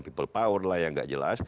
people power lah yang nggak jelas